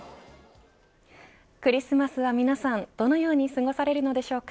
クリスマスは皆さんどのように過ごされるのでしょうか。